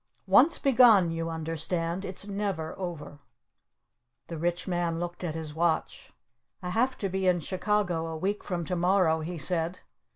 Once begun, you understand, it's never over!" The Rich Man looked at his watch. "I have to be in Chicago a week from tomorrow!" he said.